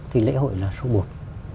thì lễ hội là số một